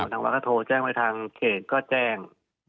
ทางวัดก็โทรแจ้งไปทางเขตก็แจ้ง